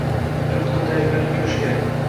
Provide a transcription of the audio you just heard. Unga puxta tayyorgarlik ko`rish kerak